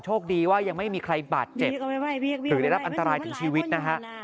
ดีว่ายังไม่มีใครบาดเจ็บหรือได้รับอันตรายถึงชีวิตนะฮะ